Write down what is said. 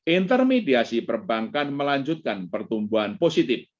intermediasi perbankan melanjutkan pertumbuhan positif